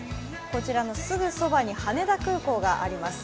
こちらのすぐそばに羽田空港があります。